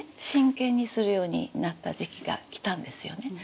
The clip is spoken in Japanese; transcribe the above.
真剣にするようになった時期が来たんですよね。